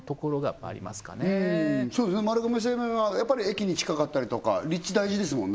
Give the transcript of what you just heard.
丸亀製麺はやっぱり駅に近かったりとか立地大事ですもんね